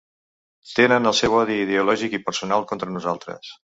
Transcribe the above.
Tenen el seu odi ideològic i personal contra nosaltres.